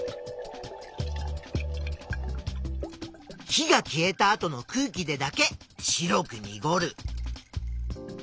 火が消えた後の空気でだけ白くにごる。